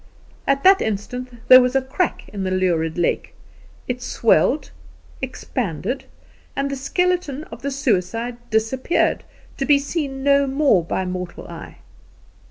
At that instant there was a crack in the lurid lake; it swelled, expanded, and the skeleton of the suicide disappeared, to be seen no more by mortal eye."